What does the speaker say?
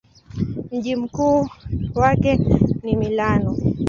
Mji mkuu wake ni Milano.